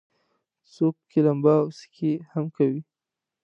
څوک پکې لمبا او سکي هم کوي.